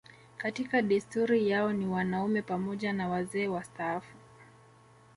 Katika desturi yao ni wanaume pamoja na wazee wastaafu